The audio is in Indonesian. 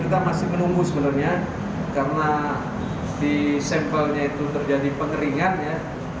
karena dahulu kita sudah menunggu sebenarnya karena di sampelnya itu terjadi pengeringan ya